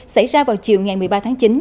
xảy ra vào chiều ngày một mươi ba tháng chín